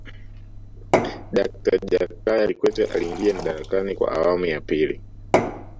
dakta jakaya aliingia madarakani kwa awamu ya pili